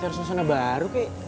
carusnya sana baru kek